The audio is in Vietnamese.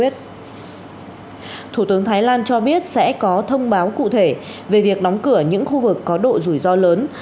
thủ tướng thái lan cho biết sẽ có thông báo cụ thể về việc đóng cửa những khu vực có độ rủi ro lớn